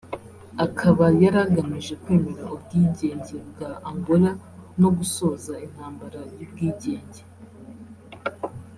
akaba yari agamije kwemera ubwigenge bwa Angola no gusoza intambara y’ubwigenge